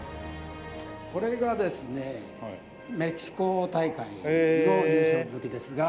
これがですねメキシコ大会の優勝の時ですが。